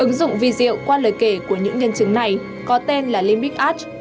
ứng dụng vi diệu qua lời kể của những nhân chứng này có tên là limit edge